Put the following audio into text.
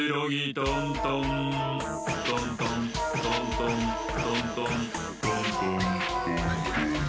トントントントントントントントントントン。